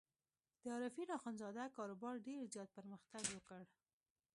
د عارفین اخندزاده کاروبار ډېر زیات پرمختګ وکړ.